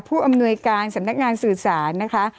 ผู้อำนวยการสำนักงานสื่อสารนะคะ